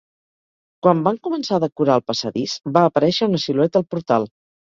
Quan van començar a decorar el passadís, va aparèixer una silueta al portal.